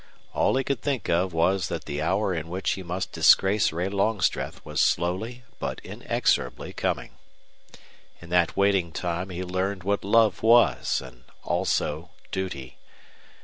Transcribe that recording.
All he could think of was that the hour in which he must disgrace Ray Longstreth was slowly but inexorably coming. In that waiting time he learned what love was and also duty.